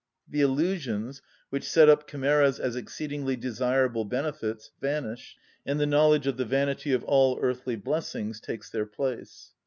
The illusions, which set up chimeras as exceedingly desirable benefits, vanish, and the knowledge of the vanity of all earthly blessings takes their place.